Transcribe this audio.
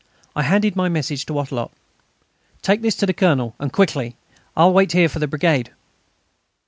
I handed my message to Wattrelot: "Take this to the Colonel, and quickly. I will wait here for the brigade."